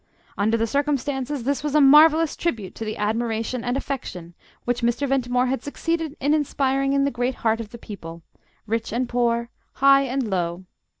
Under the circumstances, this was a marvellous tribute to the admiration and affection which Mr. Ventimore had succeeded in inspiring in the great heart of the people, rich and poor, high and low.